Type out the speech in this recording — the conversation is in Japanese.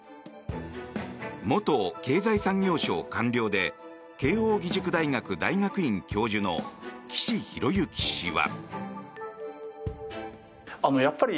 元経済産業省官僚で慶應義塾大学大学院教授の岸博幸氏は。